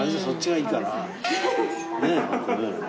ねえ。